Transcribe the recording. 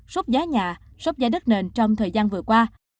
sốt giá nhà sốt giá đất nền trong thời gian vừa qua